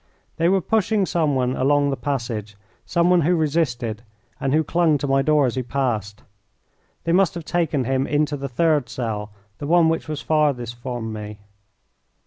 They were pushing someone along the passage, someone who resisted and who clung to my door as he passed. They must have taken him into the third cell, the one which was farthest from me.